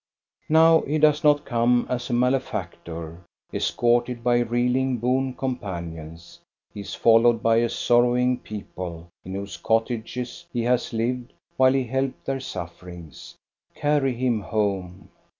Now he does not come as a malefactor, escorted by reeling boon companions; he is followed by a sorrowing people, in whose cottages he has lived while he helped their sufferings. Carry him home